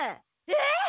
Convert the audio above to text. えっ！？